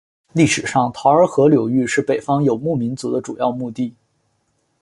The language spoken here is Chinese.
历史上洮儿河流域是北方游牧民族的主要牧地。